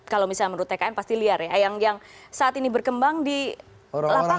kalau menurut tkn pasti liar ya yang saat ini berkembang di lapangan seperti apa